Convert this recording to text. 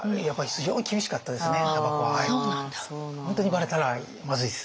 本当にばれたらまずいです。